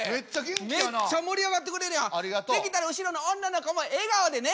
できたら後ろの女の子も笑顔でね。